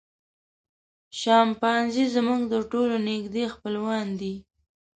شامپانزي زموږ تر ټولو نږدې خپلوان دي.